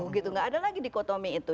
gitu gak ada lagi dikotomi itu